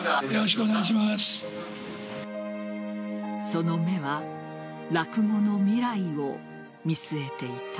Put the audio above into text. その目は落語の未来を見据えていた。